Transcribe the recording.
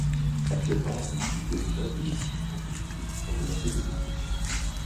Actuellement, en Russie, les immeubles de style constructiviste sont menacés de destruction.